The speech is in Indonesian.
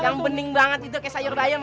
yang bening banget itu kayak sayur dayam ya